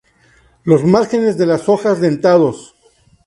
Los márgenes de las hojas dentados.